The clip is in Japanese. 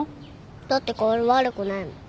だって薫悪くないもん。